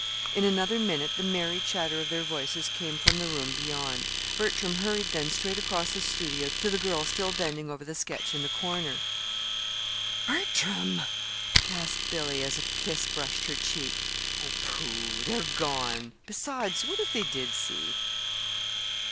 In another minute the merry chatter of their voices came from the room beyond. Bertram hurried then straight across the studio to the girl still bending over the sketch in the corner. "Bertram!" gasped Billy, as a kiss brushed her cheek. "Pooh! They're gone. Besides, what if they did see?